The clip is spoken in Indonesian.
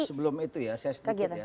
sebelum itu ya saya sedikit ya